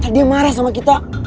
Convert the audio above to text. dia marah sama kita